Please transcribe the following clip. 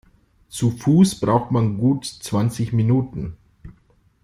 Zu Fuß braucht man gut zwanzig Minuten.